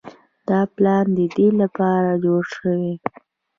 دا پلان د دې لپاره جوړ شوی